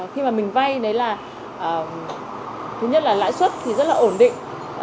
khi mà mình vay đấy là thứ nhất là lãi suất thì rất là ổn định